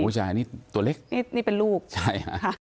โอ้ใช่อันนี้ตัวเล็กนี่นี่เป็นลูกใช่ค่ะ